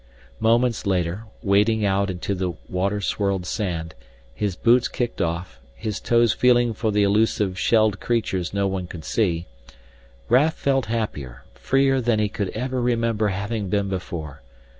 Moments later, wading out into the water swirled sand, his boots kicked off, his toes feeling for the elusive shelled creatures no one could see, Raf felt happier, freer than he could ever remember having been before.